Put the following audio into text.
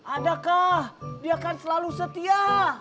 adakah dia akan selalu setia